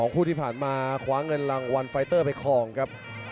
คู่ที่ผ่านมาคว้าเงินรางวัลไฟเตอร์ไปคลองครับ